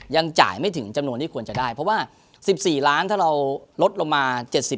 ยังจ่ายไม่ถึงจำนวนที่ควรจะได้เพราะว่า๑๔ล้านถ้าเราลดลงมา๗๐